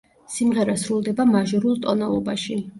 სიმღერა სრულდება მაჟორულ ტონალობაში.